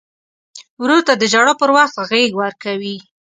ورور ته د ژړا پر وخت غېږ ورکوي.